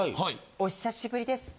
お久しぶりです。